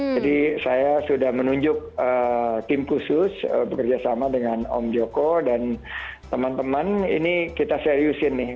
jadi saya sudah menunjuk tim khusus bekerjasama dengan om joko dan teman teman ini kita seriusin nih